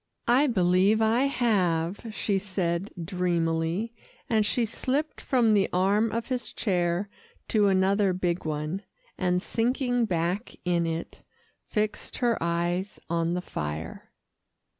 "I believe I have," she said dreamily, and she slipped from the arm of his chair to another big one, and sinking back in it, fixed her eyes on the fire.